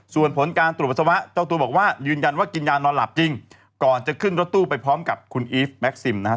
ส่วนผลการตรวจปัสสาวะเจ้าตัวบอกว่ายืนยันว่ากินยานอนหลับจริงก่อนจะขึ้นรถตู้ไปพร้อมกับคุณอีฟแม็กซิมนะครับ